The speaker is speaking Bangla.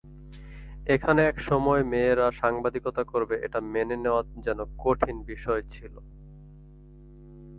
এখানে একসময় মেয়েরা সাংবাদিকতা করবে এটা মেনে নেওয়া যেন কঠিন বিষয় ছিল।